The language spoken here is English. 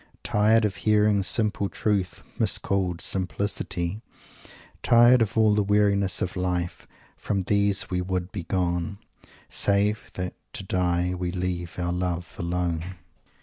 Tired of hearing "simple truth miscalled simplicity"; tired of all the weariness of life from these we "would begone" "save that to die we leave our love alone"!